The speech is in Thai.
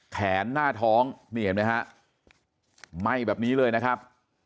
หน้าท้องนี่เห็นไหมฮะไหม้แบบนี้เลยนะครับ